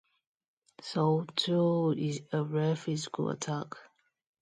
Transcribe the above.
So, too, is a rare physical attack.